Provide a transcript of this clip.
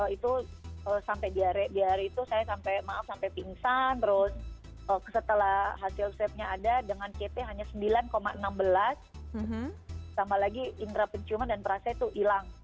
itu sampai di hari itu saya sampai maaf sampai pingsan terus setelah hasil swabnya ada dengan ct hanya sembilan enam belas tambah lagi indera penciuman dan perasa itu hilang